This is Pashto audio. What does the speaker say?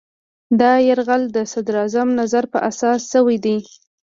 دا یرغل د صدراعظم نظر په اساس شوی دی.